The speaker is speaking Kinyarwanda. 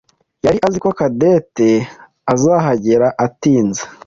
yari azi ko Cadette azahagera atinze.